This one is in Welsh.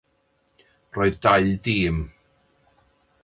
Roedd dau dîm.